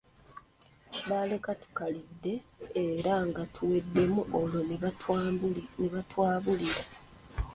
Baaleka tukalidde era nga tuwedemu olwo ne batwabulira.